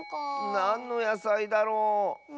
なんのやさいだろう？